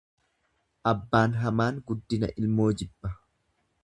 Abbaan hamaan guddina ilmoo jibba.